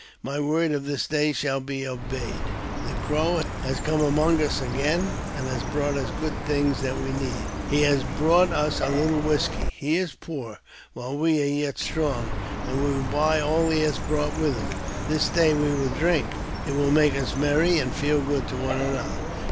My word this day shall be obeyed. The Crow has come I JAMES P. BECKWOUIi^M^^\\/^ 381 among us again, and has brought us goo'd'mings that we need; he has also brought us a little whisky. He is poor, while we are yet strong, and we will buy all he has brought with him. This day we will drink ; it will make us merry, and feel good to one another.